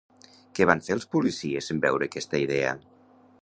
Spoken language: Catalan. Què van fer els policies en veure aquesta idea?